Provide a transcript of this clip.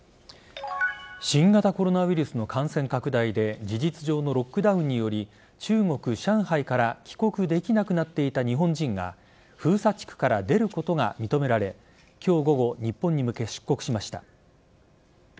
新型コロナウイルスの感染拡大で事実上のロックダウンにより中国・上海から帰国できなくなっていた日本人が封鎖地区から出ることが認められ今日午後日本に向け出国しました。